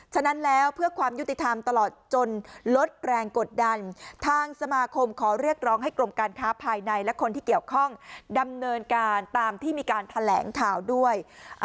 ฉะนั้นแล้วเพื่อความยุติธรรมตลอดจนลดแรงกดดันทางสมาคมขอเรียกร้องให้กรมการค้าภายในและคนที่เกี่ยวข้องดำเนินการตามที่มีการแถลงข่าวด้วย